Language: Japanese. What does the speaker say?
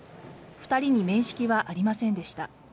２人に面識はありませんでした。